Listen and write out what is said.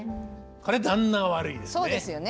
これ旦那が悪いですね。